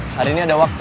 hari ini ada waktu